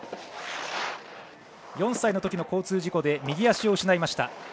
４歳のときの交通事故で右足を失いました。